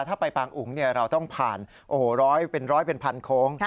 ถ้าไปปางอุ๋งเราต้องผ่านร้อยเป็นร้อยเป็นพันโค้ง